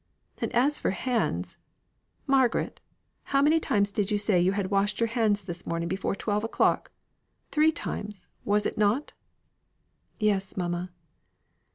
And as for hands Margaret, how many times did you say you had washed your hands this morning before twelve o'clock? Three times, was it not?" "Yes, mamma."